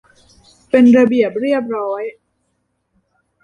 เป็นระเบียบเรียบร้อย